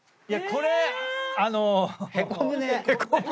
これへこむ。